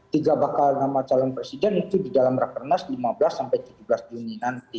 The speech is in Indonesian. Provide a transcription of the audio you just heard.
tiga bakal nama calon presiden itu di dalam rakernas lima belas sampai tujuh belas juni nanti